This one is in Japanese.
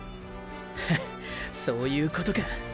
フッそういうことか。